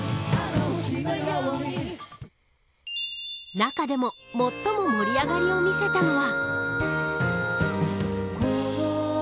中でも最も盛り上がりを見せたのは。